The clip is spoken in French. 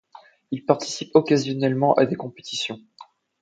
Il participe occasionnellement à des compétitions.